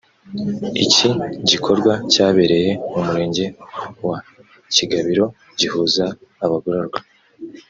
iki gikorwa cyabereye mu murenge wa kigabiro gihuza abagororwa